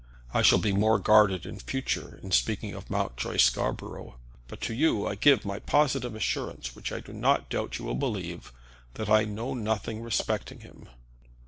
I shall be more guarded in future in speaking of Mountjoy Scarborough; but to you I give my positive assurance, which I do not doubt you will believe, that I know nothing respecting him."